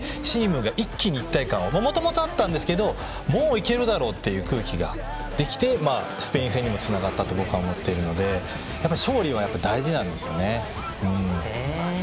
もともと一体感はあったんですけどもう行けるだろうっていう空気ができてスペイン戦にもつながったと僕は思っているのでやはり勝利は大事なんですよね。